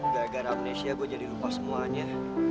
gara gara amnesia gue jadi lupa semuanya